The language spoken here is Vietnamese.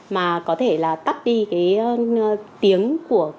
mà có thể là tắt đi cái tiếng của